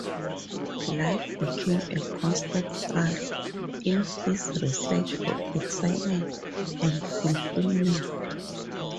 Life became a constant struggle in his search for excitement and fulfillment.